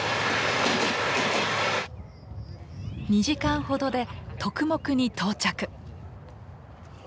２時間ほどでトクモクに到着。